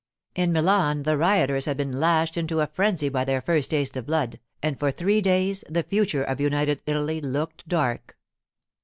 In Milan the rioters had been lashed into a frenzy by their first taste of blood, and for three days the future of United Italy looked dark.